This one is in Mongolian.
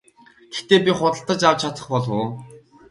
Гэхдээ би худалдаж авч чадах болов уу?